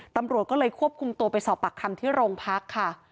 ตำรวจก็เลยควบคุมตัวไปสอบปากคำที่โรงพักค่ะ